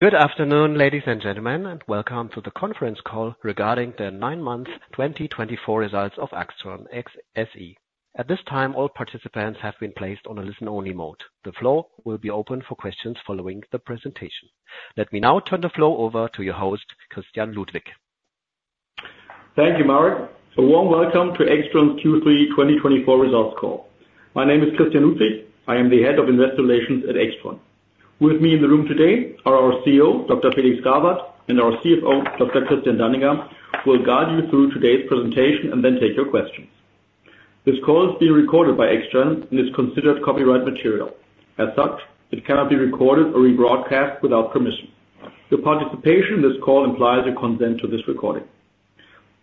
Good afternoon, ladies and gentlemen, and welcome to the conference call regarding the nine-month 2024 results of AIXTRON SE. At this time, all participants have been placed on a listen-only mode. The floor will be open for questions following the presentation. Let me now turn the floor over to your host, Christian Ludwig. Thank you, Marc. A warm welcome to AIXTRON's Q3 2024 results call. My name is Christian Ludwig. I am the Head of Investor Relations at AIXTRON. With me in the room today are our CEO, Dr. Felix Grawert, and our CFO, Dr. Christian Danninger, who will guide you through today's presentation and then take your questions. This call is being recorded by AIXTRON and is considered copyright material. As such, it cannot be recorded or rebroadcast without permission. Your participation in this call implies your consent to this recording.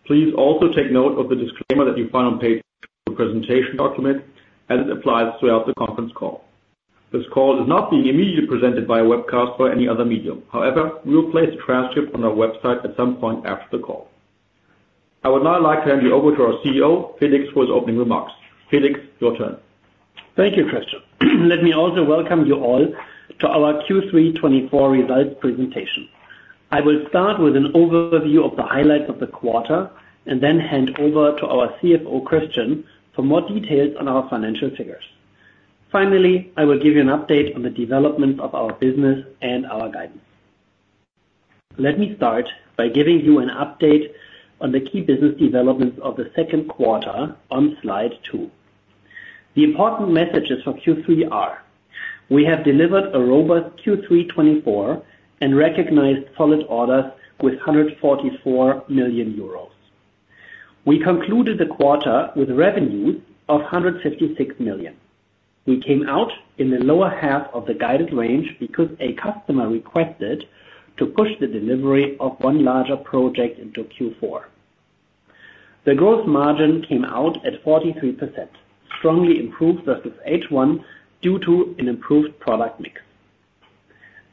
Please also take note of the disclaimer that you find on page of the presentation document, as it applies throughout the conference call. This call is not being immediately presented by a webcast or any other medium. However, we will place a transcript on our website at some point after the call. I would now like to hand you over to our CEO, Felix, for his opening remarks. Felix, your turn. Thank you, Christian. Let me also welcome you all to our Q3 2024 results presentation. I will start with an overview of the highlights of the quarter and then hand over to our CFO, Christian, for more details on our financial figures. Finally, I will give you an update on the developments of our business and our guidance. Let me start by giving you an update on the key business developments of the second quarter on slide two. The important messages for Q3 are: we have delivered a robust Q3 2024 and recognized solid orders with € 144 million. We concluded the quarter with revenues of € 156 million. We came out in the lower half of the guided range because a customer requested to push the delivery of one larger project into Q4. The gross margin came out at 43%, strongly improved versus H1 due to an improved product mix.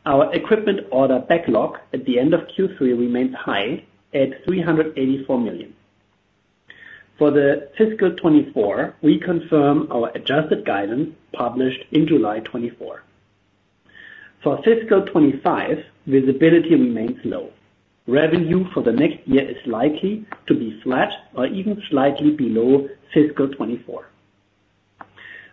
Our equipment order backlog at the end of Q3 remains high at 384 million. For the fiscal 2024, we confirm our adjusted guidance published in July 2024. For fiscal 2025, visibility remains low. Revenue for the next year is likely to be flat or even slightly below fiscal 2024.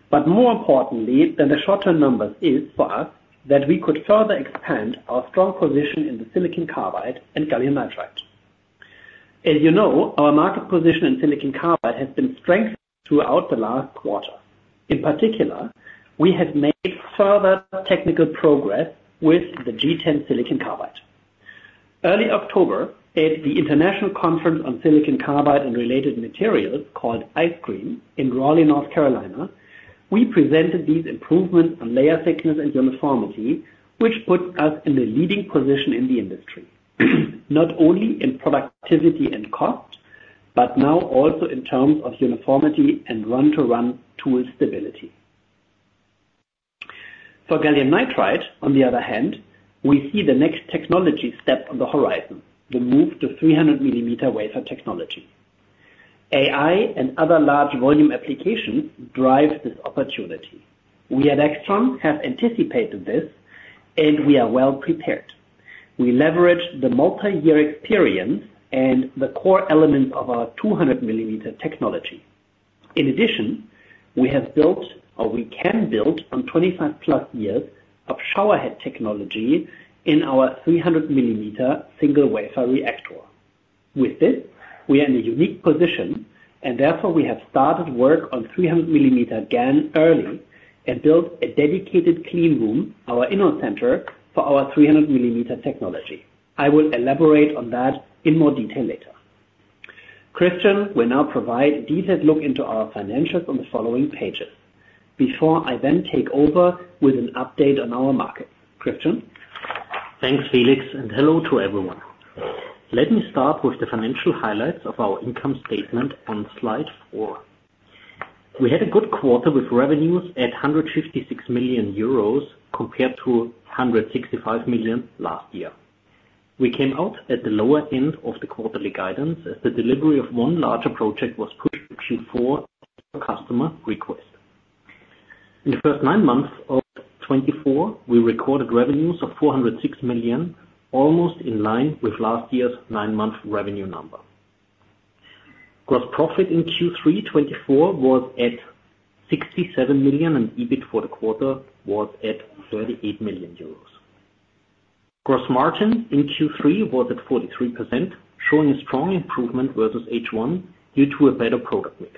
But more importantly than the short-term numbers is for us that we could further expand our strong position in the silicon carbide and gallium nitride. As you know, our market position in silicon carbide has been strengthened throughout the last quarter. In particular, we have made further technical progress with the G10 silicon carbide. Early October, at the International Conference on Silicon Carbide and Related Materials called ICSCRM in Raleigh, North Carolina, we presented these improvements on layer thickness and uniformity, which put us in the leading position in the industry, not only in productivity and cost, but now also in terms of uniformity and run-to-run tool stability. For gallium nitride, on the other hand, we see the next technology step on the horizon, the move to 300-millimeter wafer technology. AI and other large volume applications drive this opportunity. We at AIXTRON have anticipated this, and we are well prepared. We leverage the multi-year experience and the core elements of our 200-millimeter technology. In addition, we have built, or we can build, on 25-plus years of showerhead technology in our 300-millimeter single wafer reactor. With this, we are in a unique position, and therefore we have started work on 300 mm GaN early and built a dedicated clean room, our Innovation Center, for our 300 mm technology. I will elaborate on that in more detail later. Christian, we now provide a detailed look into our financials on the following pages before I then take over with an update on our markets. Christian? Thanks, Felix, and hello to everyone. Let me start with the financial highlights of our income statement on slide four. We had a good quarter with revenues at 156 million euros compared to 165 million last year. We came out at the lower end of the quarterly guidance as the delivery of one larger project was pushed to Q4 per customer request. In the first nine months of 2024, we recorded revenues of 406 million, almost in line with last year's nine-month revenue number. Gross profit in Q3 2024 was at 67 million, and EBIT for the quarter was at 38 million euros. Gross margin in Q3 was at 43%, showing a strong improvement versus H1 due to a better product mix.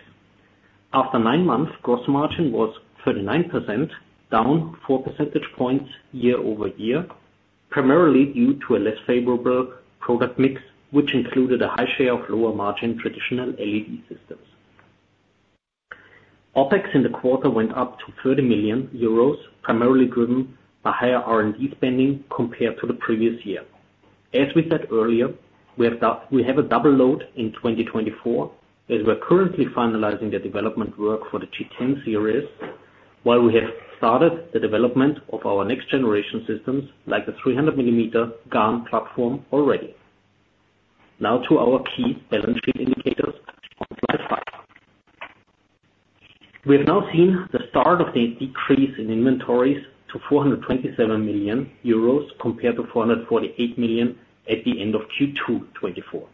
After nine months, gross margin was 39%, down four percentage points year over year, primarily due to a less favorable product mix, which included a high share of lower-margin traditional LED systems. OpEx in the quarter went up to € 30 million, primarily driven by higher R&D spending compared to the previous year. As we said earlier, we have a double load in 2024 as we're currently finalizing the development work for the G10 series, while we have started the development of our next-generation systems like the 300-millimeter GaN platform already. Now to our key balance sheet indicators on slide five. We have now seen the start of the decrease in inventories to € 427 million compared to € 448 million at the end of Q2 2024,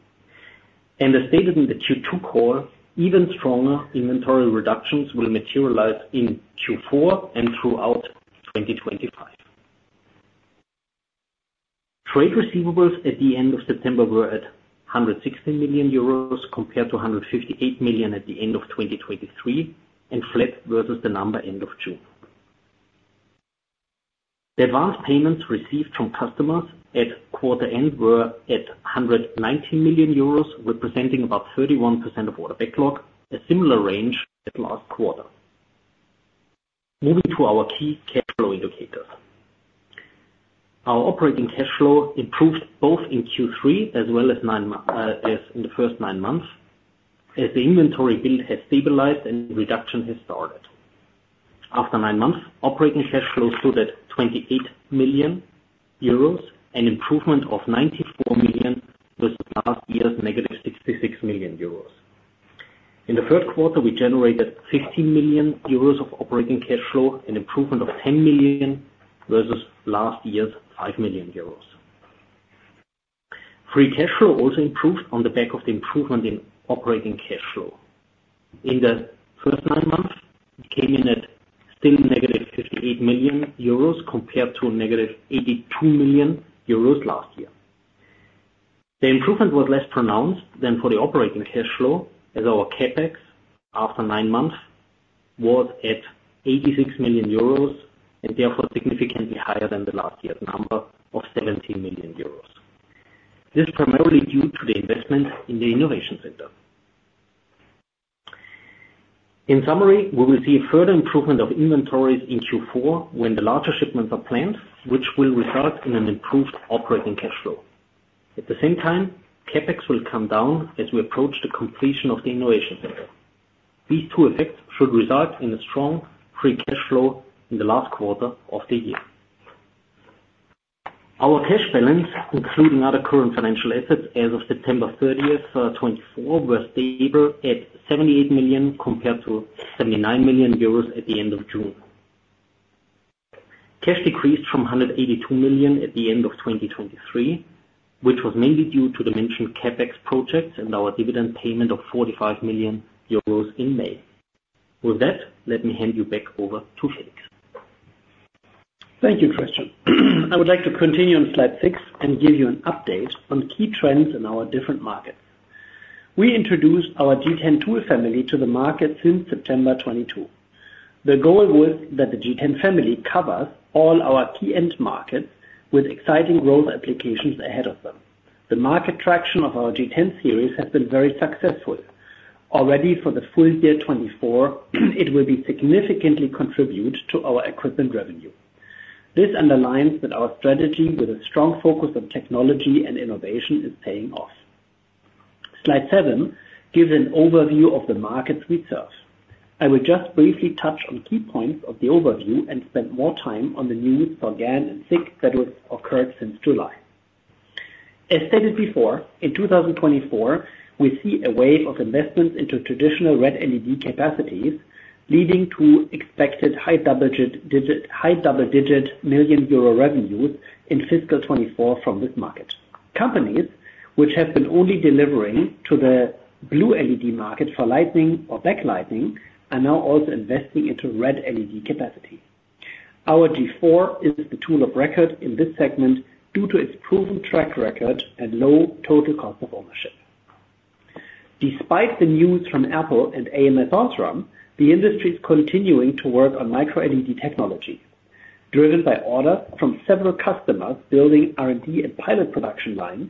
and as stated in the Q2 call, even stronger inventory reductions will materialize in Q4 and throughout 2025. Trade receivables at the end of September were at 116 million euros compared to 158 million at the end of 2023, and flat versus the number end of June. The advance payments received from customers at quarter end were at 119 million euros, representing about 31% of order backlog, a similar range as last quarter. Moving to our key cash flow indicators. Our operating cash flow improved both in Q3 as well as in the first nine months as the inventory build has stabilized and reduction has started. After nine months, operating cash flow stood at 28 million euros and improvement of 94 million versus last year's negative 66 million euros. In the third quarter, we generated 15 million euros of operating cash flow and improvement of 10 million versus last year's 5 million euros. Free cash flow also improved on the back of the improvement in operating cash flow. In the first nine months, it came in at still negative 58 million euros compared to negative 82 million euros last year. The improvement was less pronounced than for the operating cash flow as our CapEx after nine months was at 86 million euros and therefore significantly higher than the last year's number of 17 million euros. This is primarily due to the investment in the Innovation Center. In summary, we will see a further improvement of inventories in Q4 when the larger shipments are planned, which will result in an improved operating cash flow. At the same time, CapEx will come down as we approach the completion of the Innovation Center. These two effects should result in a strong free cash flow in the last quarter of the year. Our cash balance, including other current financial assets as of September 30th, 2024, was stable at 78 million compared to 79 million euros at the end of June. Cash decreased from 182 million at the end of 2023, which was mainly due to the mentioned CapEx projects and our dividend payment of 45 million euros in May. With that, let me hand you back over to Felix. Thank you, Christian. I would like to continue on slide six and give you an update on key trends in our different markets. We introduced our G10 tool family to the market since September 2022. The goal was that the G10 family covers all our key end markets with exciting growth applications ahead of them. The market traction of our G10 series has been very successful. Already for the full year 2024, it will significantly contribute to our equipment revenue. This underlines that our strategy with a strong focus on technology and innovation is paying off. Slide seven gives an overview of the markets we serve. I will just briefly touch on key points of the overview and spend more time on the news for GaN and SiC that has occurred since July. As stated before, in 2024, we see a wave of investments into traditional red LED capacities, leading to expected high double-digit million EUR revenues in fiscal 2024 from this market. Companies which have been only delivering to the blue LED market for lighting or backlighting are now also investing into red LED capacity. Our G4 is the tool of record in this segment due to its proven track record and low total cost of ownership. Despite the news from Apple and ams OSRAM, the industry is continuing to work on micro-LED technology. Driven by orders from several customers building R&D and pilot production lines,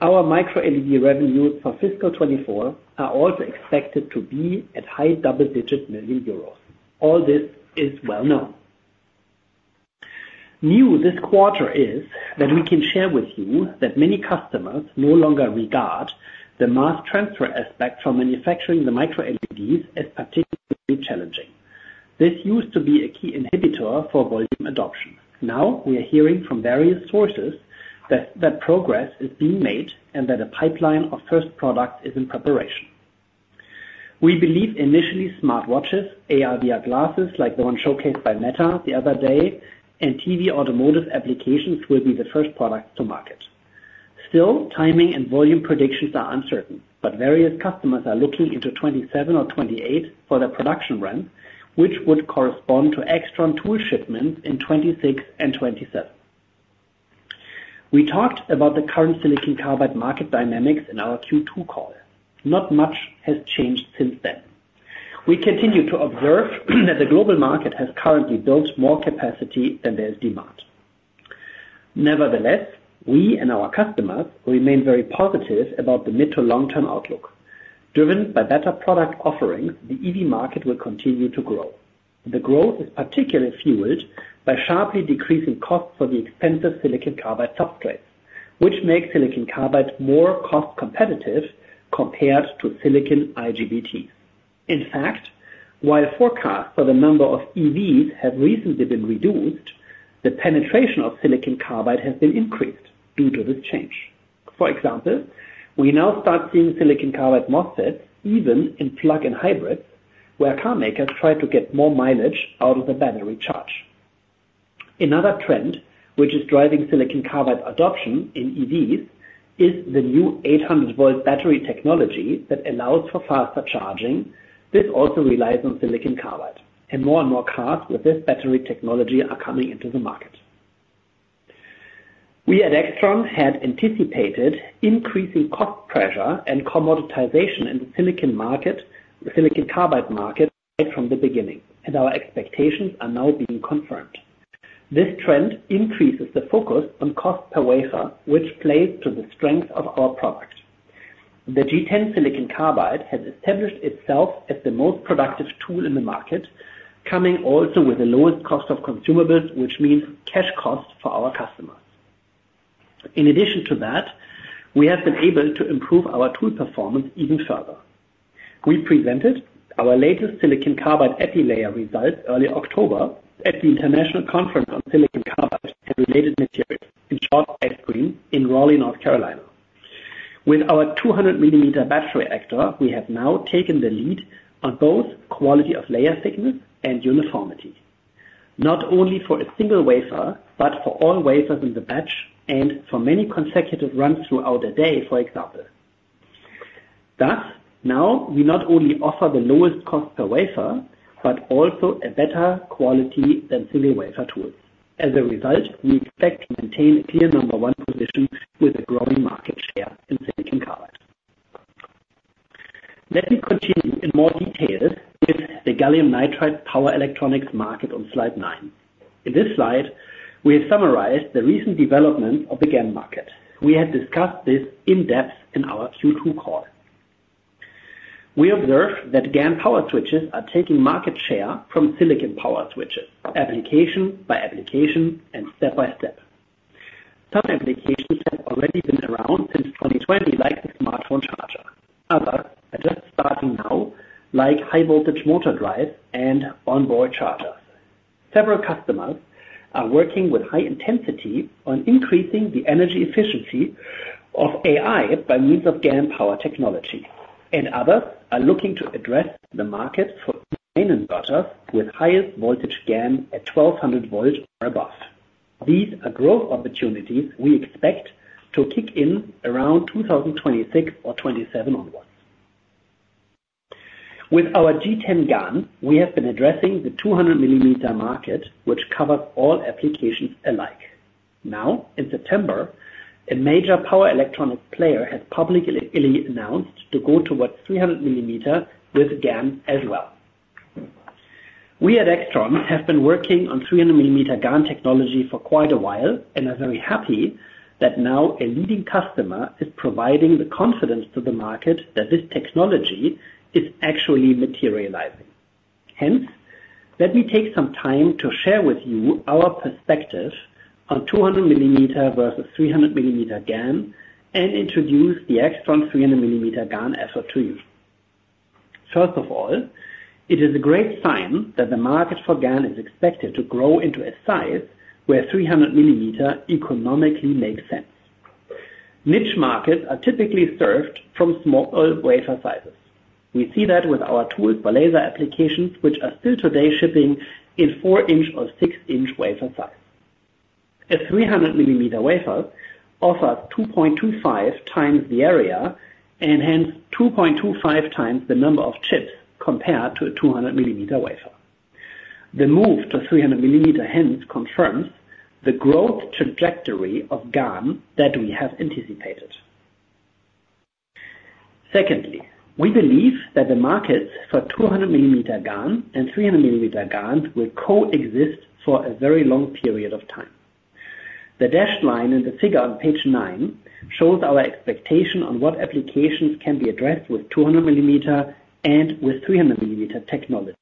our micro-LED revenues for fiscal 2024 are also expected to be at high double-digit million EUR. All this is well known. New this quarter is that we can share with you that many customers no longer regard the mass transfer aspect for manufacturing the micro-LEDs as particularly challenging. This used to be a key inhibitor for volume adoption. Now we are hearing from various sources that progress is being made and that a pipeline of first products is in preparation. We believe initially smartwatches, AR/VR glasses like the one showcased by Meta the other day, and TV automotive applications will be the first products to market. Still, timing and volume predictions are uncertain, but various customers are looking into 2027 or 2028 for the production run, which would correspond to Aixtron tool shipments in 2026 and 2027. We talked about the current silicon carbide market dynamics in our Q2 call. Not much has changed since then. We continue to observe that the global market has currently built more capacity than there is demand. Nevertheless, we and our customers remain very positive about the mid to long-term outlook. Driven by better product offerings, the EV market will continue to grow. The growth is particularly fueled by sharply decreasing costs for the expensive silicon carbide substrates, which make silicon carbide more cost competitive compared to silicon IGBTs. In fact, while forecasts for the number of EVs have recently been reduced, the penetration of silicon carbide has been increased due to this change. For example, we now start seeing silicon carbide MOSFETs even in plug-in hybrids where car makers try to get more mileage out of the battery charge. Another trend which is driving silicon carbide adoption in EVs is the new 800-volt battery technology that allows for faster charging. This also relies on silicon carbide, and more and more cars with this battery technology are coming into the market. We at AIXTRON had anticipated increasing cost pressure and commoditization in the silicon market, the silicon carbide market, right from the beginning, and our expectations are now being confirmed. This trend increases the focus on cost per wafer, which plays to the strength of our product. The G10 silicon carbide has established itself as the most productive tool in the market, coming also with the lowest cost of consumables, which means cash cost for our customers. In addition to that, we have been able to improve our tool performance even further. We presented our latest silicon carbide EPI layer results early October at the International Conference on Silicon Carbide and Related Materials, in short ICSCRM, in Raleigh, North Carolina. With our 200 mm battery reactor, we have now taken the lead on both quality of layer thickness and uniformity, not only for a single wafer, but for all wafers in the batch and for many consecutive runs throughout a day, for example. Thus, now we not only offer the lowest cost per wafer, but also a better quality than single wafer tools. As a result, we expect to maintain a clear number one position with a growing market share in silicon carbide. Let me continue in more detail with the gallium nitride power electronics market on slide nine. In this slide, we have summarized the recent developments of the GaN market. We had discussed this in depth in our Q2 call. We observed that GaN power switches are taking market share from silicon power switches, application by application and step by step. Some applications have already been around since 2020, like the smartphone charger. Others are just starting now, like high-voltage motor drives and onboard chargers. Several customers are working with high intensity on increasing the energy efficiency of AI by means of GaN power technology, and others are looking to address the market for main inverters with highest voltage GaN at 1200 volts or above. These are growth opportunities we expect to kick in around 2026 or 2027 onwards. With our G10 GaN, we have been addressing the 200-millimeter market, which covers all applications alike. Now, in September, a major power electronics player has publicly announced to go towards 300-millimeter with GaN as well. We at AIXTRON have been working on 300-millimeter GaN technology for quite a while and are very happy that now a leading customer is providing the confidence to the market that this technology is actually materializing. Hence, let me take some time to share with you our perspective on 200-millimeter versus 300-millimeter GaN and introduce the Aixtron 300-millimeter GaN effort to you. First of all, it is a great sign that the market for GaN is expected to grow into a size where 300-millimeter economically makes sense. Niche markets are typically served from smaller wafer sizes. We see that with our tools for laser applications, which are still today shipping in four-inch or six-inch wafer size. A 300-millimeter wafer offers 2.25 times the area and hence 2.25 times the number of chips compared to a 200-millimeter wafer. The move to 300-millimeter hence confirms the growth trajectory of GaN that we have anticipated. Secondly, we believe that the markets for 200-millimeter GaN and 300-millimeter GaN will coexist for a very long period of time. The dashed line and the figure on page nine shows our expectation on what applications can be addressed with 200-millimeter and with 300-millimeter technology.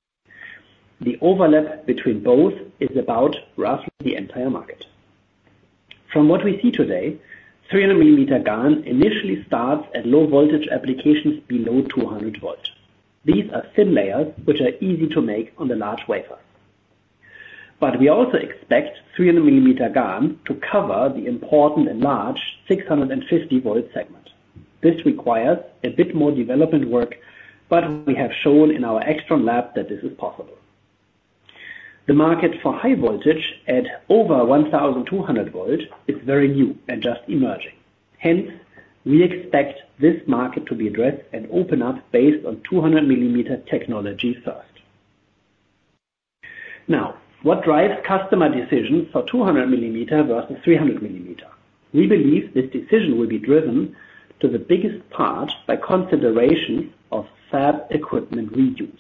The overlap between both is about roughly the entire market. From what we see today, 300-millimeter GaN initially starts at low voltage applications below 200 volts. These are thin layers which are easy to make on the large wafers. But we also expect 300-millimeter GaN to cover the important and large 650-volt segment. This requires a bit more development work, but we have shown in our Aixtron lab that this is possible. The market for high voltage at over 1200 volts is very new and just emerging. Hence, we expect this market to be addressed and open up based on 200-millimeter technology first. Now, what drives customer decisions for 200-millimeter versus 300-millimeter? We believe this decision will be driven to the biggest part by considerations of fab equipment reuse.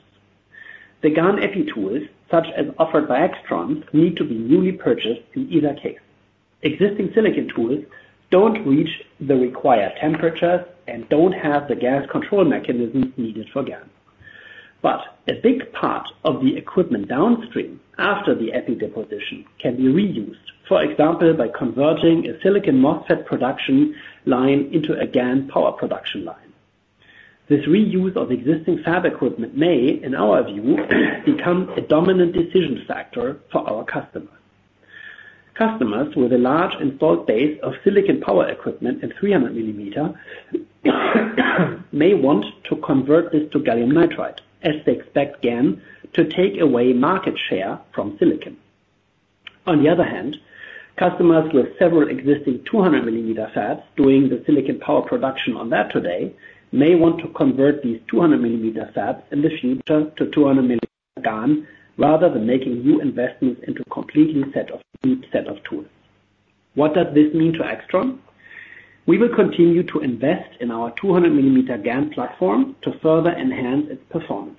The GaN EPI tools, such as offered by Aixtron, need to be newly purchased in either case. Existing silicon tools don't reach the required temperatures and don't have the gas control mechanisms needed for GaN. But a big part of the equipment downstream after the EPI deposition can be reused, for example, by converting a silicon MOSFET production line into a GaN power production line. This reuse of existing fab equipment may, in our view, become a dominant decision factor for our customers. Customers with a large installed base of silicon power equipment and 300-millimeter may want to convert this to gallium nitride as they expect GaN to take away market share from silicon. On the other hand, customers with several existing 200-millimeter fabs doing the silicon power production on that today may want to convert these 200-millimeter fabs in the future to 200-millimeter GaN rather than making new investments into a completely new set of tools. What does this mean to Aixtron? We will continue to invest in our 200-millimeter GaN platform to further enhance its performance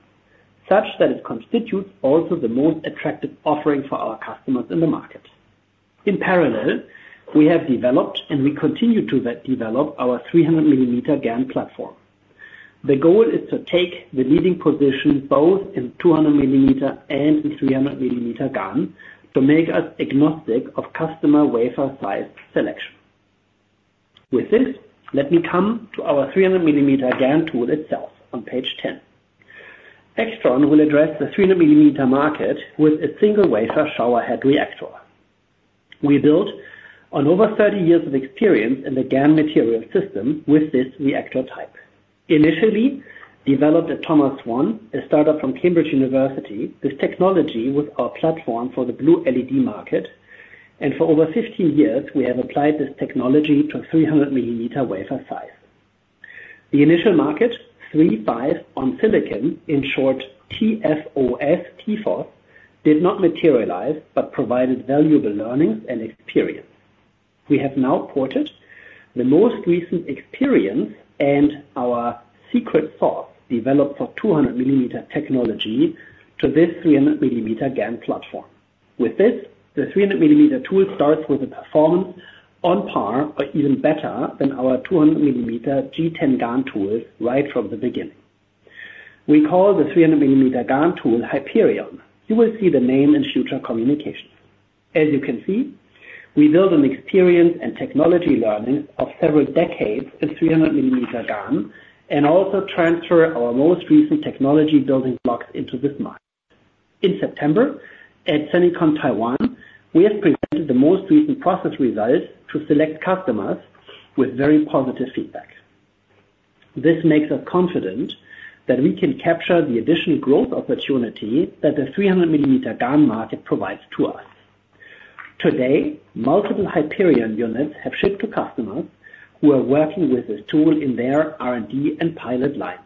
such that it constitutes also the most attractive offering for our customers in the market. In parallel, we have developed and we continue to develop our 300-millimeter GaN platform. The goal is to take the leading position both in 200-millimeter and in 300-millimeter GaN to make us agnostic of customer wafer size selection. With this, let me come to our 300-millimeter GaN tool itself on page 10. Aixtron will address the 300-millimeter market with a single wafer showerhead reactor. We built on over 30 years of experience in the GaN material system with this reactor type. Initially developed at Thomas Swann, a startup from Cambridge University, this technology was our platform for the blue LED market, and for over 15 years, we have applied this technology to 300 mm wafer size. The initial market, III-V on silicon, in short TFOS, TFOS, did not materialize but provided valuable learnings and experience. We have now ported the most recent experience and our secret sauce developed for 200 mm technology to this 300 mm GaN platform. With this, the 300 mm tool starts with a performance on par or even better than our 200 mm G10-GaN tools right from the beginning. We call the 300 mm GaN tool Hyperion. You will see the name in future communications. As you can see, we build on experience and technology learnings of several decades in 300-millimeter GaN and also transfer our most recent technology building blocks into this market. In September, at Semicon Taiwan, we have presented the most recent process results to select customers with very positive feedback. This makes us confident that we can capture the additional growth opportunity that the 300-millimeter GaN market provides to us. Today, multiple Hyperion units have shipped to customers who are working with this tool in their R&D and pilot lines.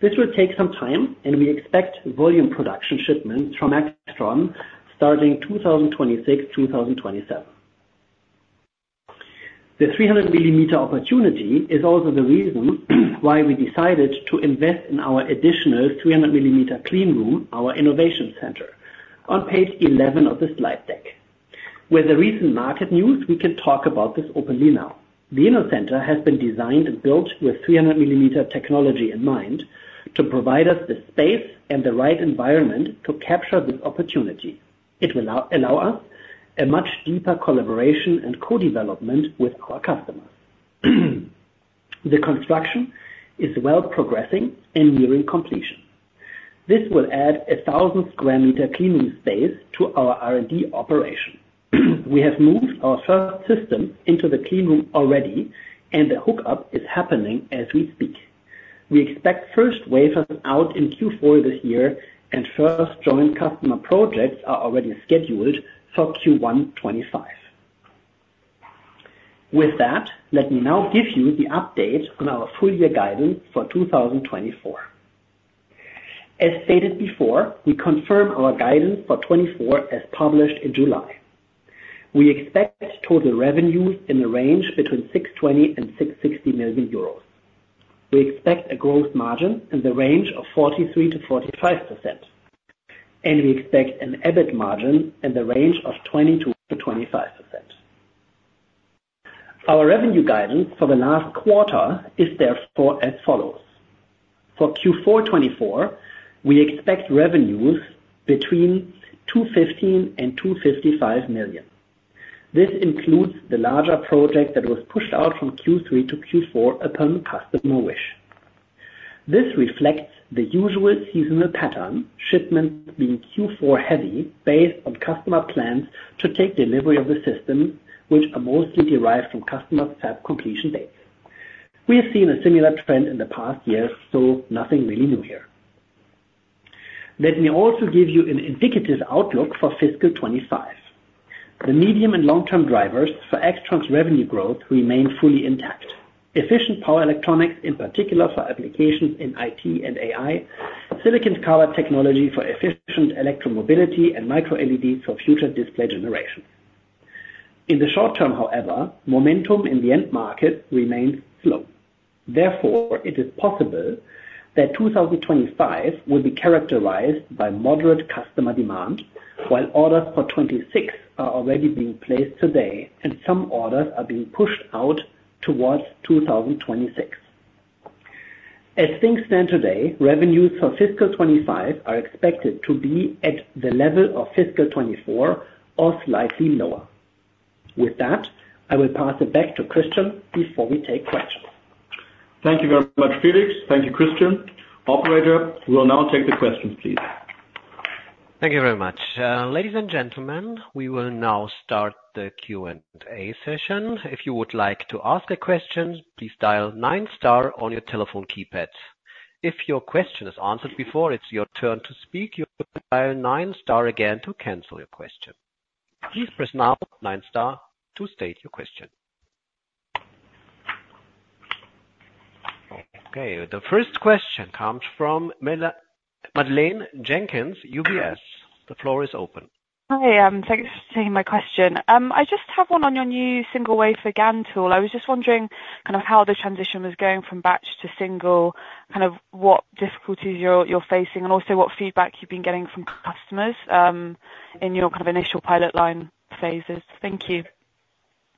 This will take some time, and we expect volume production shipments from Aixtron starting 2026, 2027. The 300-millimeter opportunity is also the reason why we decided to invest in our additional 300-millimeter clean room, our innovation center, on page 11 of this slide deck. With the recent market news, we can talk about this openly now. The Innovation Center has been designed and built with 300-millimeter technology in mind to provide us the space and the right environment to capture this opportunity. It will allow us a much deeper collaboration and co-development with our customers. The construction is well progressing and nearing completion. This will add a thousand square meter clean room space to our R&D operation. We have moved our first system into the clean room already, and the hookup is happening as we speak. We expect first wafers out in Q4 this year, and first joint customer projects are already scheduled for Q1 2025. With that, let me now give you the update on our full year guidance for 2024. As stated before, we confirm our guidance for 2024 as published in July. We expect total revenues in the range between 620 million and 660 million euros. We expect a gross margin in the range of 43%-45%, and we expect an EBIT margin in the range of 22%-25%. Our revenue guidance for the last quarter is therefore as follows. For Q4 2024, we expect revenues between 215 million and 255 million. This includes the larger project that was pushed out from Q3 to Q4 upon customer wish. This reflects the usual seasonal pattern, shipments being Q4 heavy based on customer plans to take delivery of the systems, which are mostly derived from customer fab completion dates. We have seen a similar trend in the past year, so nothing really new here. Let me also give you an indicative outlook for fiscal 2025. The medium and long-term drivers for Aixtron's revenue growth remain fully intact. Efficient power electronics, in particular for applications in IT and AI, silicon power technology for efficient electromobility, and micro LEDs for future display generation. In the short term, however, momentum in the end market remains slow. Therefore, it is possible that 2025 will be characterized by moderate customer demand, while orders for 2026 are already being placed today, and some orders are being pushed out towards 2026. As things stand today, revenues for fiscal 2025 are expected to be at the level of fiscal 2024 or slightly lower. With that, I will pass it back to Christian before we take questions. Thank you very much, Felix. Thank you, Christian. Operator, we'll now take the questions, please. Thank you very much. Ladies and gentlemen, we will now start the Q&A session. If you would like to ask a question, please dial nine star on your telephone keypad. If your question is answered before, it's your turn to speak. You dial nine star again to cancel your question. Please press now nine star to state your question. Okay. The first question comes from Madeleine Jenkins, UBS. The floor is open. Hi. Thanks for taking my question. I just have one on your new single wafer GaN tool. I was just wondering kind of how the transition was going from batch to single, kind of what difficulties you're facing, and also what feedback you've been getting from customers in your kind of initial pilot line phases. Thank you.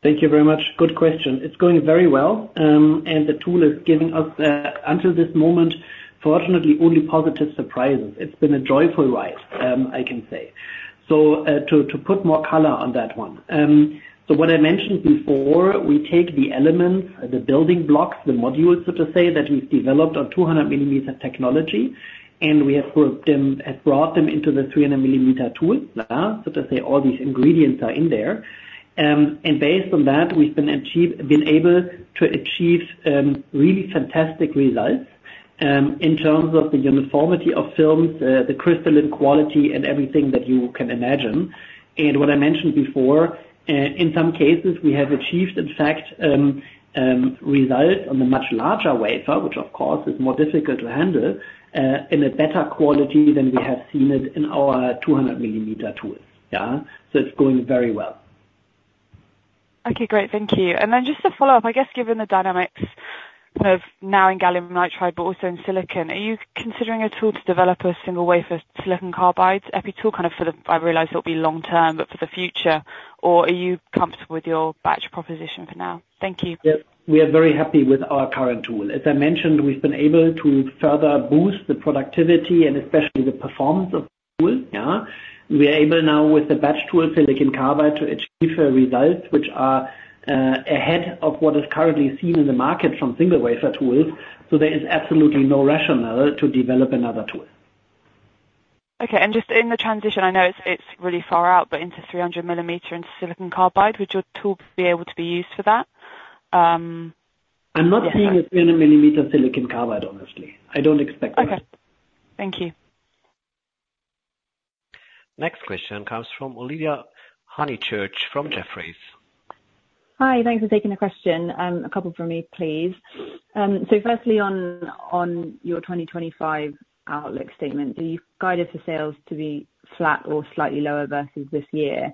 Thank you very much. Good question. It's going very well, and the tool is giving us, until this moment, fortunately, only positive surprises. It's been a joyful ride, I can say. So to put more color on that one, so what I mentioned before, we take the elements, the building blocks, the modules, so to say, that we've developed on 200-millimeter technology, and we have brought them into the 300-millimeter tools, so to say, all these ingredients are in there. And based on that, we've been able to achieve really fantastic results in terms of the uniformity of films, the crystalline quality, and everything that you can imagine. And what I mentioned before, in some cases, we have achieved, in fact, results on the much larger wafer, which, of course, is more difficult to handle in a better quality than we have seen it in our 200-millimeter tools. Yeah. So it's going very well. Okay. Great. Thank you. And then just to follow up, I guess, given the dynamics kind of now in gallium nitride, but also in silicon, are you considering a tool to develop a single wafer silicon carbide EPI tool kind of for the future? I realize it will be long term, but for the future. Or are you comfortable with your batch proposition for now? Thank you. Yep. We are very happy with our current tool. As I mentioned, we've been able to further boost the productivity and especially the performance of the tool. Yeah. We are able now, with the batch tool silicon carbide, to achieve results which are ahead of what is currently seen in the market from single wafer tools. So there is absolutely no rationale to develop another tool. Okay. And just in the transition, I know it's really far out, but into 300-millimeter and silicon carbide, would your tool be able to be used for that? I'm not seeing a 300-millimeter silicon carbide, honestly. I don't expect that. Okay. Thank you. Next question comes from Olivia Honychurch from Jefferies. Hi. Thanks for taking the question. A couple from me, please. So firstly, on your 2025 outlook statement, do you guide us for sales to be flat or slightly lower versus this year?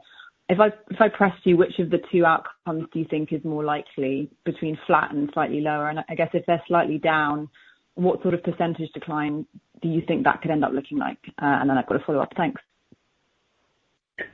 If I pressed you, which of the two outcomes do you think is more likely between flat and slightly lower? And I guess if they're slightly down, what sort of percentage decline do you think that could end up looking like? And then I've got a follow-up. Thanks.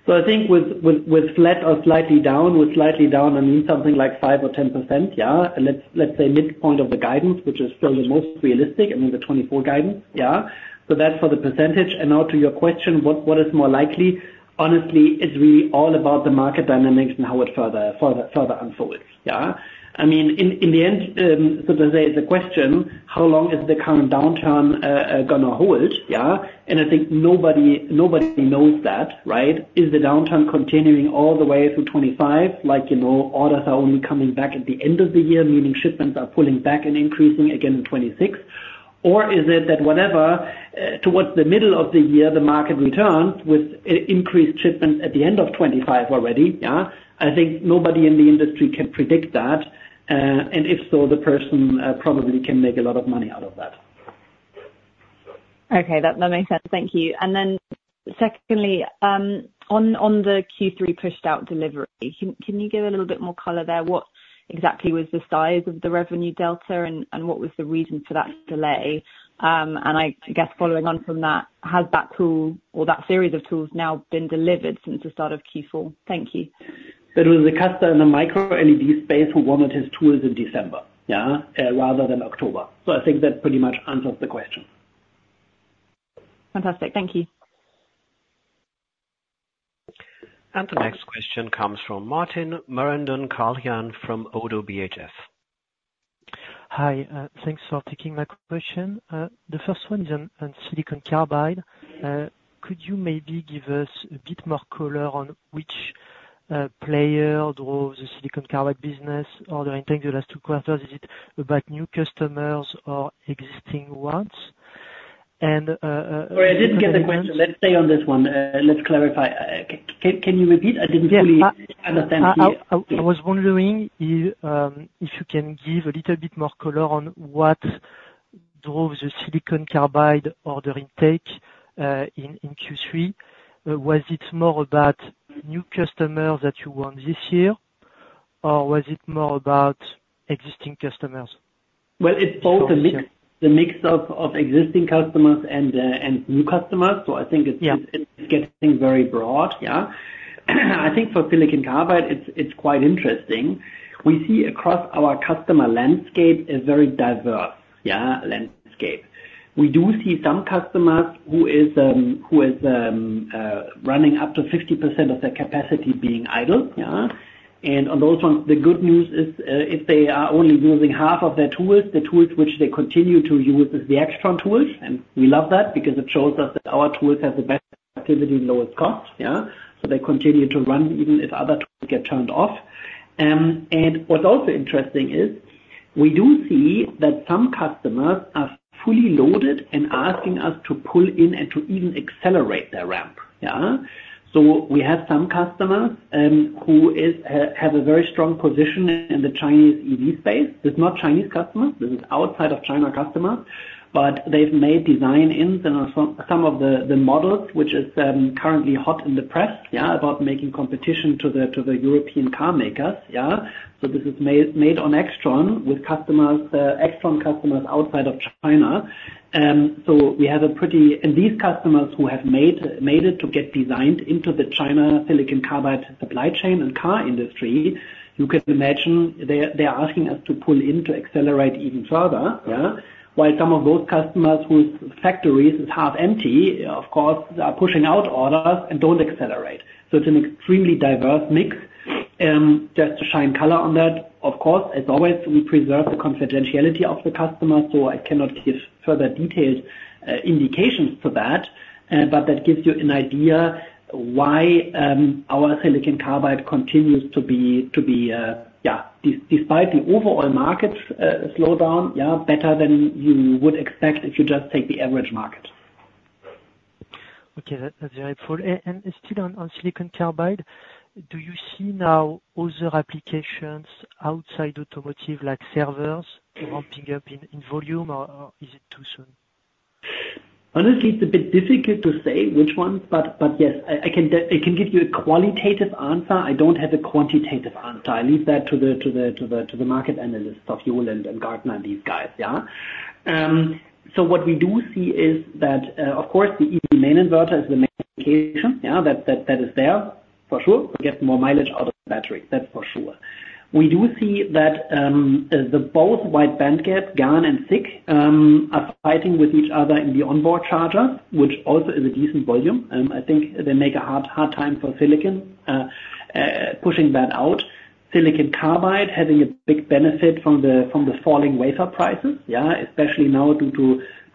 So, I think with flat or slightly down, with slightly down, I mean something like 5% or 10%, yeah, let's say midpoint of the guidance, which is still the most realistic, I mean the 2024 guidance. Yeah. So that's for the percentage. And now to your question, what is more likely? Honestly, it's really all about the market dynamics and how it further unfolds. Yeah. I mean, in the end, so to say, the question, how long is the current downturn going to hold? Yeah. And I think nobody knows that, right? Is the downturn continuing all the way through 2025? Like orders are only coming back at the end of the year, meaning shipments are pulling back and increasing again in 2026? Or is it that whatever, towards the middle of the year, the market returns with increased shipments at the end of 2025 already? Yeah. I think nobody in the industry can predict that. And if so, the person probably can make a lot of money out of that. Okay. That makes sense. Thank you. And then secondly, on the Q3 pushed-out delivery, can you give a little bit more color there? What exactly was the size of the revenue delta, and what was the reason for that delay? And I guess following on from that, has that tool or that series of tools now been delivered since the start of Q4? Thank you. It was a customer in the micro-LED space who wanted his tools in December, yeah, rather than October. So I think that pretty much answers the question. Fantastic. Thank you. And the next question comes from Martin Marandon-Carlhian from ODDO BHF. Hi. Thanks for taking my question. The first one is on silicon carbide. Could you maybe give us a bit more color on which player draws the silicon carbide business? Order intake the last two quarters, is it about new customers or existing ones? Sorry, I didn't get the question. Let's stay on this one. Let's clarify. Can you repeat? I didn't fully understand. I was wondering if you can give a little bit more color on what drove the silicon carbide order intake in Q3. Was it more about new customers that you want this year, or was it more about existing customers? Well, it's both a mix of existing customers and new customers. So I think it's getting very broad. Yeah. I think for silicon carbide, it's quite interesting. We see across our customer landscape a very diverse, yeah, landscape. We do see some customers who are running up to 50% of their capacity being idle. Yeah. And on those ones, the good news is if they are only using half of their tools, the tools which they continue to use are the Aixtron tools. And we love that because it shows us that our tools have the best productivity and lowest cost. Yeah. So they continue to run even if other tools get turned off. And what's also interesting is we do see that some customers are fully loaded and asking us to pull in and to even accelerate their ramp. Yeah. So we have some customers who have a very strong position in the Chinese EV space. This is not Chinese customers. This is outside of China customers, but they've made design in some of the models, which is currently hot in the press, yeah, about making competition to the European car makers. Yeah. This is made on AIXTRON with AIXTRON customers outside of China. We have a pretty—and these customers who have made it to get designed into the China silicon carbide supply chain and car industry, you can imagine they're asking us to pull in to accelerate even further. Yeah. While some of those customers whose factories are half empty, of course, are pushing out orders and don't accelerate. It's an extremely diverse mix. Just to add color on that, of course, as always, we preserve the confidentiality of the customer, so I cannot give further detailed indications to that. But that gives you an idea why our silicon carbide continues to be, yeah, despite the overall market slowdown, yeah, better than you would expect if you just take the average market. Okay. That's very important. And still on silicon carbide, do you see now other applications outside automotive like servers ramping up in volume, or is it too soon? Honestly, it's a bit difficult to say which ones, but yes, I can give you a qualitative answer. I don't have a quantitative answer. I leave that to the market analysts of Yole and Gartner, these guys. Yeah. So what we do see is that, of course, the EV main inverter is the main indication, yeah, that is there for sure. We get more mileage out of the battery. That's for sure. We do see that both wide band gap, GaN and SiC, are fighting with each other in the onboard chargers, which also is a decent volume. I think they make a hard time for silicon pushing that out. Silicon carbide having a big benefit from the falling wafer prices, yeah, especially now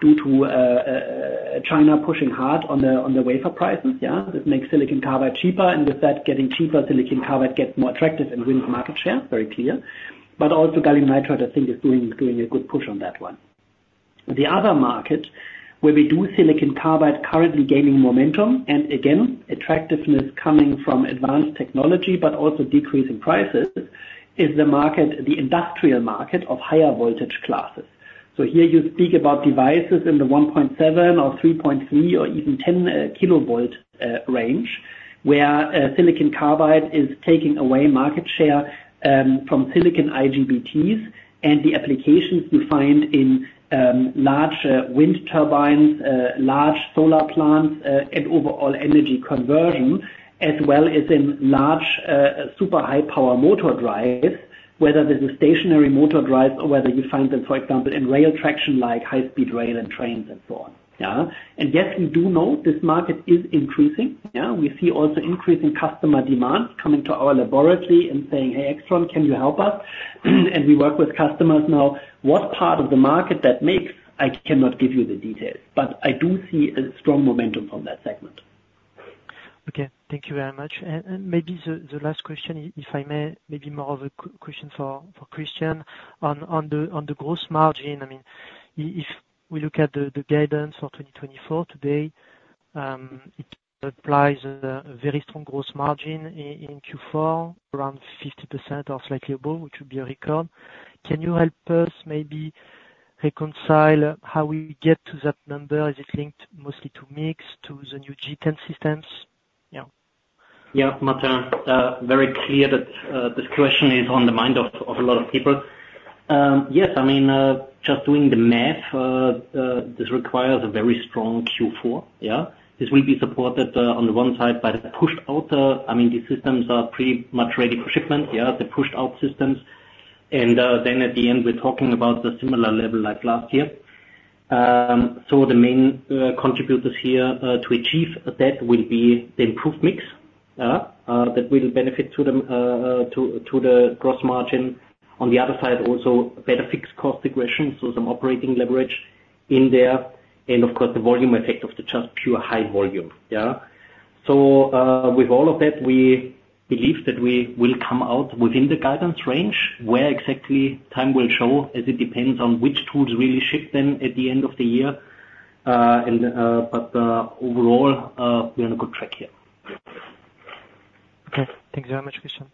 due to China pushing hard on the wafer prices. Yeah. This makes silicon carbide cheaper, and with that getting cheaper, silicon carbide gets more attractive and wins market share. Very clear. But also gallium nitride, I think, is doing a good push on that one. The other market where we do silicon carbide currently gaining momentum and, again, attractiveness coming from advanced technology, but also decreasing prices, is the industrial market of higher voltage classes. So here you speak about devices in the 1.7 or 3.3 or even 10 kilovolt range, where silicon carbide is taking away market share from silicon IGBTs and the applications you find in large wind turbines, large solar plants, and overall energy conversion, as well as in large super high-power motor drives, whether this is stationary motor drives or whether you find them, for example, in rail traction like high-speed rail and trains and so on. Yeah. And yes, we do know this market is increasing. Yeah. We see also increasing customer demands coming to our laboratory and saying, "Hey, AIXTRON, can you help us?" And we work with customers now. What part of the market that makes, I cannot give you the details, but I do see a strong momentum from that segment. Okay. Thank you very much. And maybe the last question, if I may, maybe more of a question for Christian on the gross margin. I mean, if we look at the guidance for 2024 today, it implies a very strong gross margin in Q4, around 50% or slightly above, which would be a record. Can you help us maybe reconcile how we get to that number? Is it linked mostly to mix to the new G10 systems? Yeah. Yeah. Martin, very clear that this question is on the mind of a lot of people. Yes. I mean, just doing the math, this requires a very strong Q4. Yeah. This will be supported on the one side by the pushed-out. I mean, these systems are pretty much ready for shipment. Yeah. The pushed-out systems. And then at the end, we're talking about the similar level like last year. So the main contributors here to achieve that will be the improved mix, yeah, that will benefit to the gross margin. On the other side, also better fixed cost regression, so some operating leverage in there, and of course, the volume effect of the just pure high volume. Yeah. So with all of that, we believe that we will come out within the guidance range. Where exactly time will show as it depends on which tools really ship them at the end of the year. But overall, we're on a good track here. Okay. Thank you very much, Christian.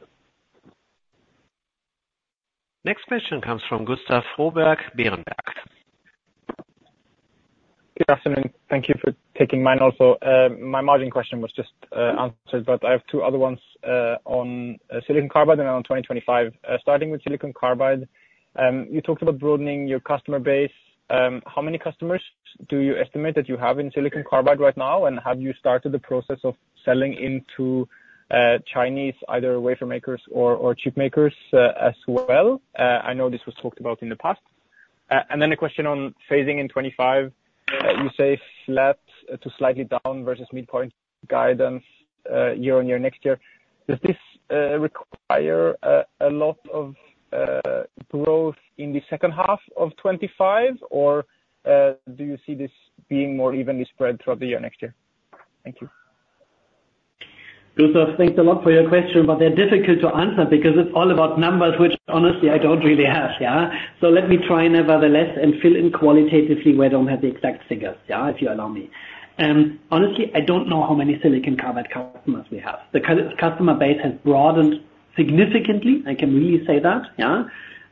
Next question comes from Gustav Froberg, Berenberg. Good afternoon. Thank you for taking mine. Also, my margin question was just answered, but I have two other ones on silicon carbide and on 2025, starting with silicon carbide. You talked about broadening your customer base. How many customers do you estimate that you have in silicon carbide right now? And have you started the process of selling into Chinese either wafer makers or chip makers as well? I know this was talked about in the past. And then a question on phasing in 2025. You say flat to slightly down versus midpoint guidance year on year next year. Does this require a lot of growth in the second half of 2025, or do you see this being more evenly spread throughout the year next year? Thank you. Gustav, thanks a lot for your question, but they're difficult to answer because it's all about numbers, which honestly, I don't really have. Yeah, so let me try nevertheless and fill in qualitatively where I don't have the exact figures, yeah, if you allow me. Honestly, I don't know how many silicon carbide customers we have. The customer base has broadened significantly. I can really say that. Yeah.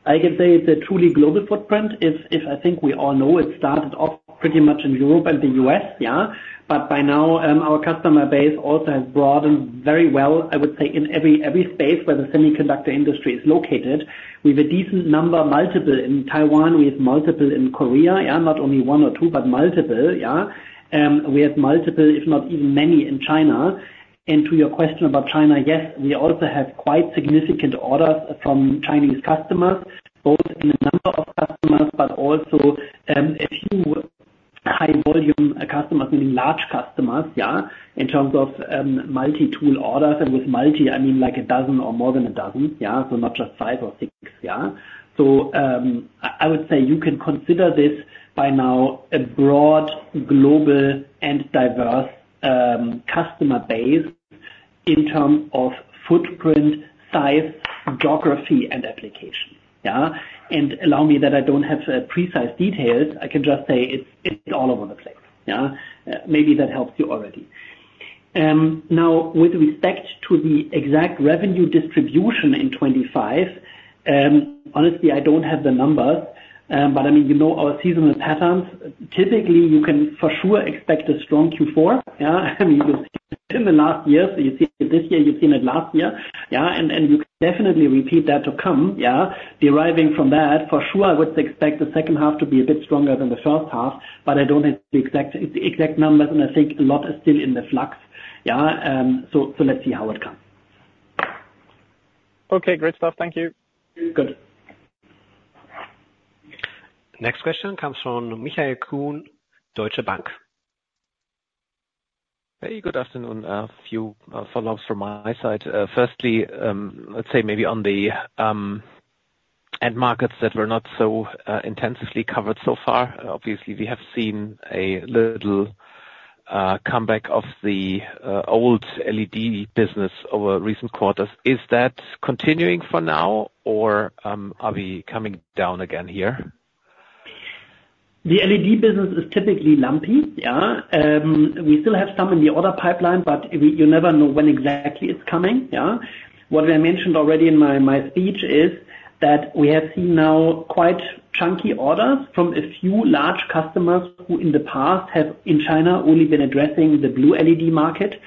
I can say it's a truly global footprint. I think we all know it started off pretty much in Europe and the U.S., yeah. But by now, our customer base also has broadened very well, I would say, in every space where the semiconductor industry is located. We have a decent number, multiple in Taiwan. We have multiple in Korea, yeah, not only one or two, but multiple. Yeah. We have multiple, if not even many in China. And to your question about China, yes, we also have quite significant orders from Chinese customers, both in the number of customers, but also a few high-volume customers, meaning large customers, yeah, in terms of multi-tool orders. And with multi, I mean like a dozen or more than a dozen, yeah, so not just five or six. Yeah. So I would say you can consider this by now a broad, global, and diverse customer base in terms of footprint, size, geography, and application. Yeah. And allow me that I don't have precise details. I can just say it's all over the place. Yeah. Maybe that helps you already. Now, with respect to the exact revenue distribution in 2025, honestly, I don't have the numbers. But I mean, you know our seasonal patterns. Typically, you can for sure expect a strong Q4. Yeah. I mean, you've seen it in the last year. So you see it this year. You've seen it last year. Yeah. And you can definitely repeat that to come. Yeah. Deriving from that, for sure, I would expect the second half to be a bit stronger than the first half, but I don't have the exact numbers. And I think a lot is still in the flux. Yeah. So let's see how it comes. Okay. Great stuff. Thank you. Good. Next question comes from Michael Kuhn, Deutsche Bank. Hey, good afternoon. A few follow-ups from my side. Firstly, let's say maybe on the end markets that were not so intensively covered so far. Obviously, we have seen a little comeback of the old LED business over recent quarters. Is that continuing for now, or are we coming down again here? The LED business is typically lumpy. Yeah. We still have some in the order pipeline, but you never know when exactly it's coming. Yeah. What I mentioned already in my speech is that we have seen now quite chunky orders from a few large customers who in the past have in China only been addressing the blue LED market.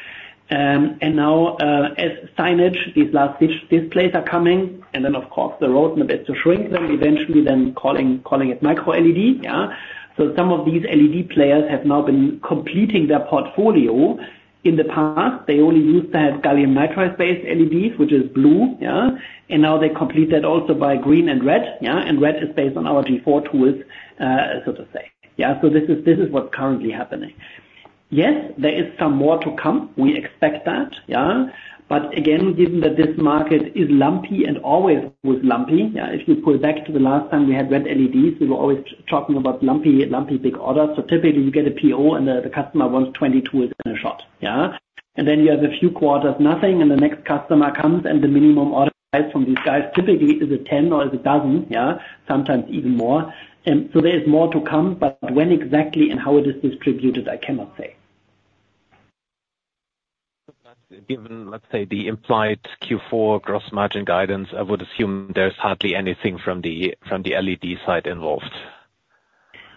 And now, as signage, these last displays are coming. And then, of course, the roadmap is to shrink them eventually, then calling it micro-LED. Yeah. So some of these LED players have now been completing their portfolio. In the past, they only used to have gallium nitride-based LEDs, which is blue. Yeah. And now they complete that also by green and red. Yeah. And red is based on our G4 tools, so to say. Yeah. So this is what's currently happening. Yes, there is some more to come. We expect that. Yeah. But again, given that this market is lumpy and always was lumpy, yeah, if you pull back to the last time we had red LEDs, we were always talking about lumpy big orders. So typically, you get a PO, and the customer wants 20 tools in a shot. Yeah. And then you have a few quarters, nothing. And the next customer comes, and the minimum order price from these guys typically is a 10 or is a dozen, yeah, sometimes even more. And so there is more to come, but when exactly and how it is distributed, I cannot say. Given, let's say, the implied Q4 gross margin guidance, I would assume there's hardly anything from the LED side involved.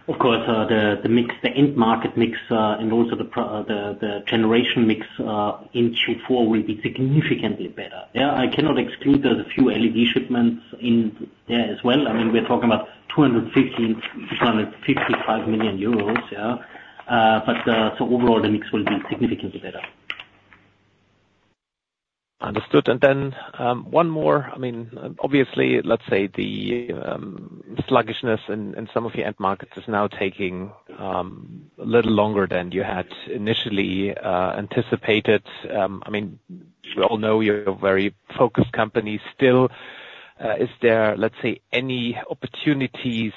Of course, the mix, the end market mix, and also the generation mix in Q4 will be significantly better. Yeah. I cannot exclude there's a few LED shipments in there as well. I mean, we're talking about 250-255 million euros. Yeah. But so overall, the mix will be significantly better. Understood. And then one more. I mean, obviously, let's say the sluggishness in some of the end markets is now taking a little longer than you had initially anticipated. I mean, we all know you're a very focused company. Still, is there, let's say, any opportunities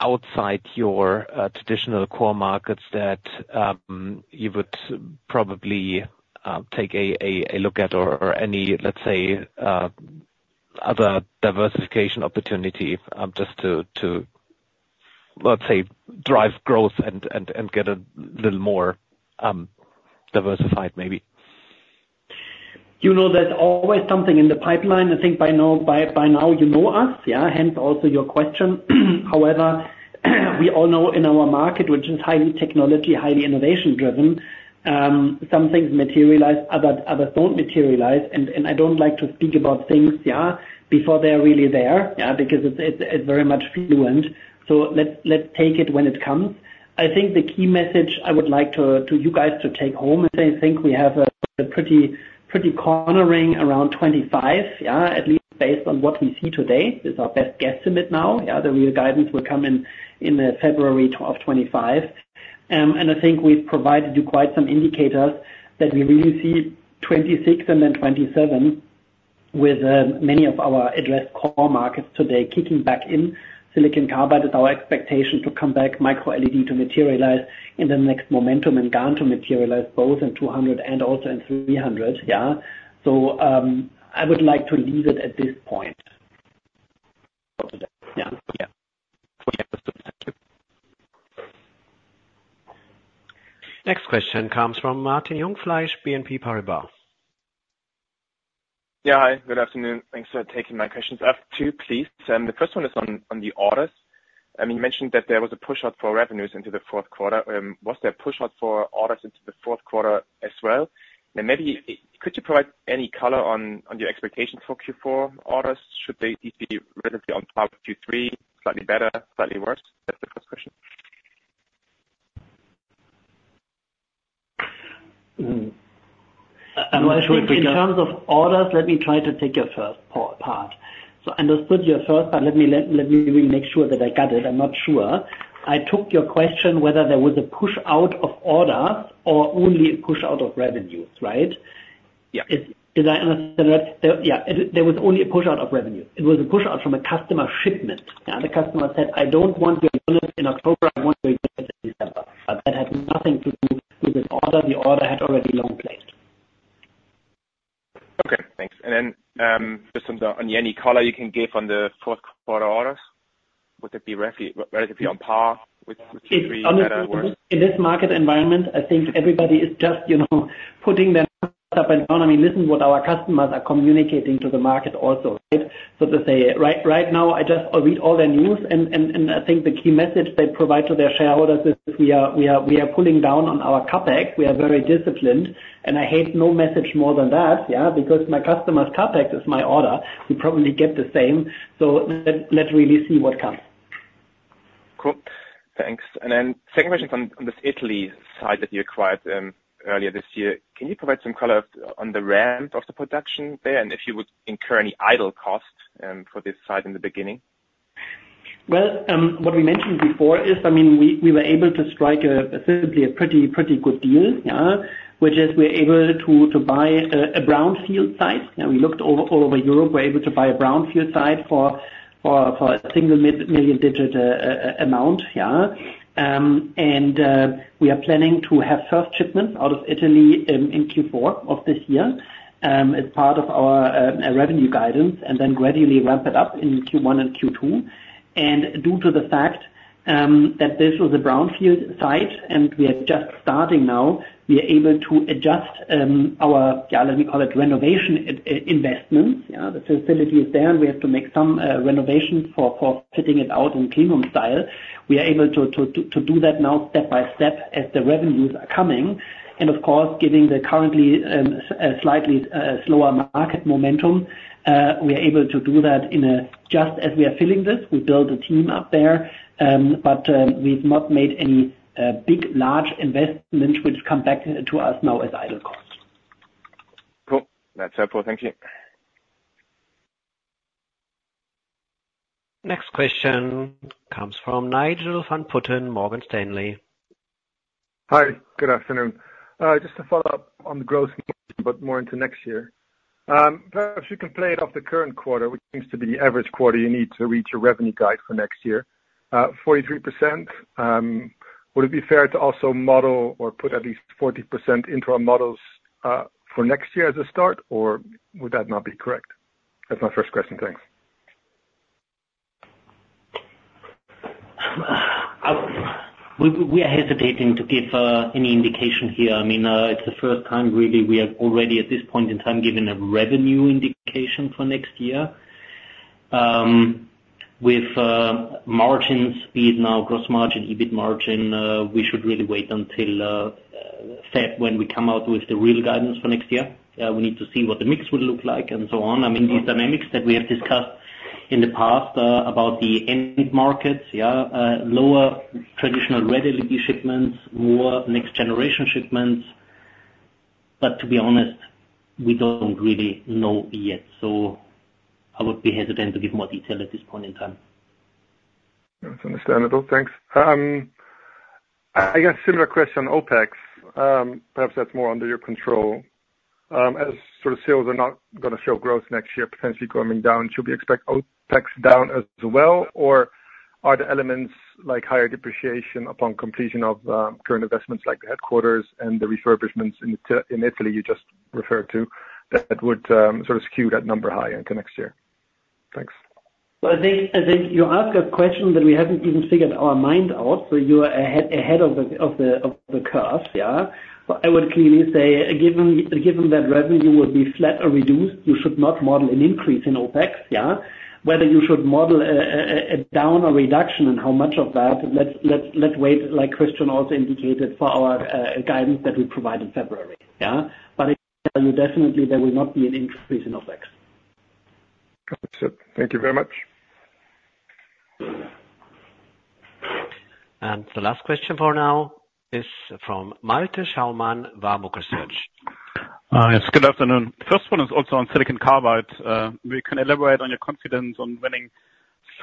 outside your traditional core markets that you would probably take a look at, or any, let's say, other diversification opportunity just to, let's say, drive growth and get a little more diversified maybe? You know there's always something in the pipeline. I think by now you know us, yeah, hence also your question. However, we all know in our market, which is highly technological, highly innovation-driven, some things materialize, others don't materialize. And I don't like to speak about things, yeah, before they're really there, yeah, because it's very much fluid. So let's take it when it comes. I think the key message I would like you guys to take home is I think we have a pretty cornering around 2025, yeah, at least based on what we see today. This is our best guesstimate now. Yeah. The real guidance will come in February of 2025, and I think we've provided you quite some indicators that we really see 2026 and then 2027 with many of our addressed core markets today kicking back in. Silicon carbide is our expectation to come back, micro LED to materialize in the next momentum, and GaN to materialize both in 200 and also in 300. Yeah. So I would like to leave it at this point. Yeah. Yeah. Thank you. Next question comes from Martin Jungfleisch, BNP Paribas. Yeah. Hi, good afternoon. Thanks for taking my questions as well, please. The first one is on the orders. I mean, you mentioned that there was a push-out for revenues into the fourth quarter. Was there a push-out for orders into the fourth quarter as well? And maybe could you provide any color on your expectations for Q4 orders? Should they be relatively on par with Q3, slightly better, slightly worse? That's the first question. I'm not sure if we got. In terms of orders, let me try to take your first part. So I understood your first part. Let me make sure that I got it. I'm not sure. I took your question whether there was a push-out of orders or only a push-out of revenues, right? Yeah. Did I understand that? Yeah. There was only a push-out of revenues. It was a push-out from a customer shipment. Yeah. The customer said, "I don't want your units in October. I want your units in December." But that had nothing to do with this order. The order had already long-played. Okay. Thanks. Then just on any color you can give on the fourth quarter orders, would that be relatively on par with Q3? In this market environment, I think everybody is just putting their numbers up and down. I mean, listen to what our customers are communicating to the market also, right? So to say, right now, I just read all their news, and I think the key message they provide to their shareholders is, "We are pulling down on our CapEx. We are very disciplined." I hate no message more than that, yeah, because my customer's CapEx is my order. We probably get the same. So let's really see what comes. Cool. Thanks. Then second question on this Italy site that you acquired earlier this year. Can you provide some color on the ramp of the production there and if you would incur any idle cost for this site in the beginning? Well, what we mentioned before is, I mean, we were able to strike simply a pretty good deal, yeah, which is we're able to buy a brownfield site. We looked all over Europe. We're able to buy a brownfield site for a single-digit million EUR amount, yeah. And we are planning to have first shipments out of Italy in Q4 of this year as part of our revenue guidance and then gradually ramp it up in Q1 and Q2. And due to the fact that this was a brownfield site and we are just starting now, we are able to adjust our, yeah, let me call it renovation investments. Yeah. The facility is there, and we have to make some renovations for fitting it out in premium style. We are able to do that now step by step as the revenues are coming. And of course, given the currently slightly slower market momentum, we are able to do that in a just as we are filling this. We built a team up there, but we've not made any big, large investments which come back to us now as idle costs. Cool. That's helpful. Thank you. Next question comes from Nigel van Putten, Morgan Stanley. Hi. Good afternoon. Just to follow up on the growth, but more into next year. Perhaps you can play it off the current quarter, which seems to be the average quarter you need to reach your revenue guide for next year, 43%. Would it be fair to also model or put at least 40% into our models for next year as a start, or would that not be correct? That's my first question. Thanks. We are hesitating to give any indication here. I mean, it's the first time really we are already at this point in time giving a revenue indication for next year. With margin speed now, gross margin, EBIT margin, we should really wait until February when we come out with the real guidance for next year. We need to see what the mix would look like and so on. I mean, these dynamics that we have discussed in the past about the end markets, yeah, lower traditional red LED shipments, more next-generation shipments. But to be honest, we don't really know yet. So I would be hesitant to give more detail at this point in time. That's understandable. Thanks. I guess similar question on OpEx. Perhaps that's more under your control. As sort of sales are not going to show growth next year, potentially going down, should we expect OpEx down as well, or are the elements like higher depreciation upon completion of current investments like the headquarters and the refurbishments in Italy you just referred to that would sort of skew that number higher into next year? Thanks. Well, I think you ask a question that we haven't even figured our mind out. So you are ahead of the curve, yeah. But I would clearly say, given that revenue will be flat or reduced, you should not model an increase in OpEx, yeah. Whether you should model a down or reduction and how much of that, let's wait, like Christian also indicated, for our guidance that we provided February, yeah. But I can tell you definitely there will not be an increase in OpEx. Gotcha. Thank you very much. And the last question for now is from Malte Schaumann, Warburg Research. Yes. Good afternoon. First one is also on Silicon Carbide. We can elaborate on your confidence on winning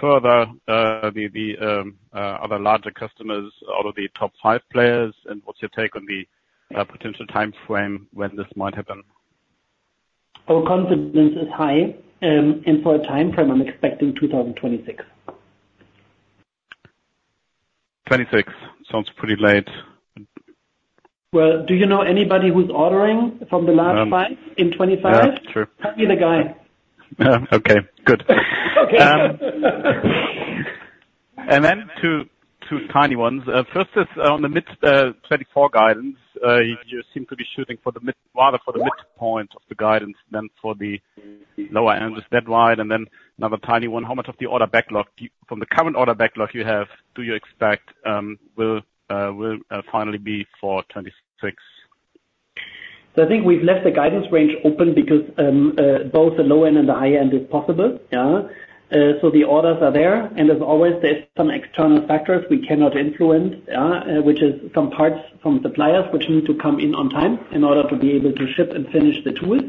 further the other larger customers out of the top five players. And what's your take on the potential timeframe when this might happen? Our confidence is high. And for a timeframe, I'm expecting 2026. 2026. Sounds pretty late. Well, do you know anybody who's ordering from the last five in 2025? Yeah. True. Probably the guy. Okay. Good. Okay. And then two tiny ones. First is on the mid 2024 guidance. You seem to be shooting for the mid rather for the midpoint of the guidance than for the lower end, just that wide. And then another tiny one. How much of the order backlog from the current order backlog you have, do you expect will finally be for 2026? So I think we've left the guidance range open because both the low end and the high end is possible, yeah. So the orders are there. And as always, there's some external factors we cannot influence, yeah, which is some parts from suppliers which need to come in on time in order to be able to ship and finish the tools.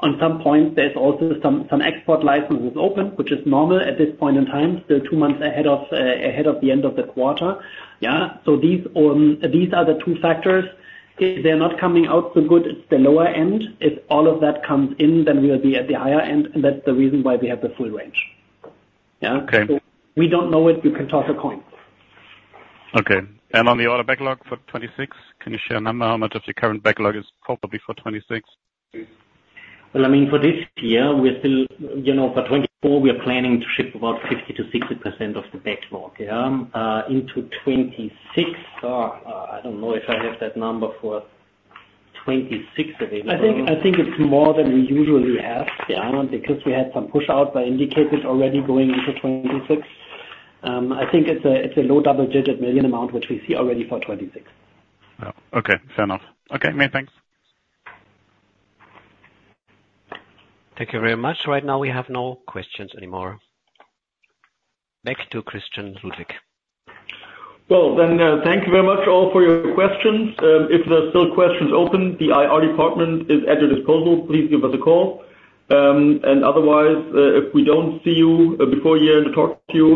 On some points, there's also some export licenses open, which is normal at this point in time, still two months ahead of the end of the quarter, yeah. So these are the two factors. If they're not coming out so good, it's the lower end. If all of that comes in, then we'll be at the higher end. And that's the reason why we have the full range, yeah. So we don't know it. You can toss a coin. Okay. And on the order backlog for 2026, can you share a number? How much of your current backlog is probably for 2026? Well, I mean, for this year, we're still for 2024, we are planning to ship about 50%-60% of the backlog, yeah, into 2026. I don't know if I have that number for 2026 available. I think it's more than we usually have, yeah, because we had some push-outs I indicated already going into 2026. I think it's a low double-digit million amount, which we see already for 2026. Okay. Fair enough. Okay. Many thanks. Thank you very much. Right now, we have no questions anymore. Back to Christian Ludwig. Well, then thank you very much all for your questions. If there's still questions open, the IR department is at your disposal. Please give us a call, and otherwise, if we don't see you before year and talk to you,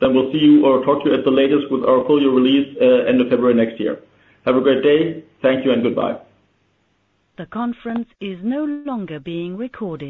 then we'll see you or talk to you at the latest with our full year release end of February next year. Have a great day. Thank you and goodbye. The conference is no longer being recorded.